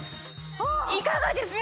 いかがですか？